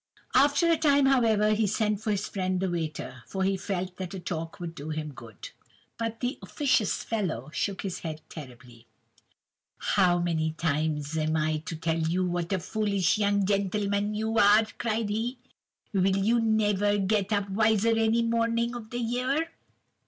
"After a time, however, he sent for his friend the waiter, for he felt that a talk would do him good. "But the 'officious fellow' shook his head terribly. "'How many more times am I to tell you what a foolish young gentleman you are?' cried he. 'Will you never get up wiser any morning of the year?